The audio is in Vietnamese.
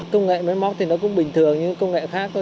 công nghệ máy móc thì nó cũng bình thường như công nghệ khác thôi